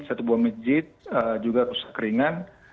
satu buah masjid juga rusak ringan